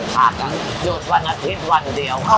ค่ะก็หยุดวันอาทิตย์วันเดียวค่ะ